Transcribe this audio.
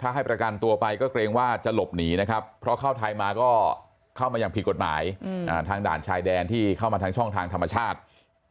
ถ้าให้ประกันตัวไปก็เกรงว่าจะหลบหนีนะครับเพราะเข้าไทยมาก็เข้ามาอย่างผิดกฎหมายทางด่านชายแดนที่เข้ามาทางช่องทางธรรมชาติ